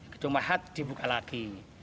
gedung mahat dibuka lagi